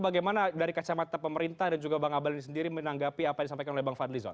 bagaimana dari kacamata pemerintah dan juga bang abalin sendiri menanggapi apa yang disampaikan oleh bang fadlizon